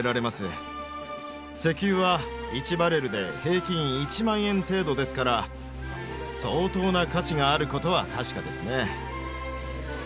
石油は１バレルで平均１万円程度ですから相当な価値があることは確かですね。